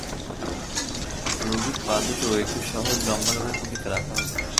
রোগীর পাদুটো একটা সহজ লম্বালম্বি ভঙ্গিতে রাখা হল।